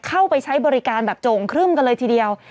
เข้าไปใช้บริการแบบโจ่งครึ่มกันเลยทีเดียว